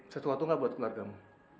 sesuatu gak buat keluarga mu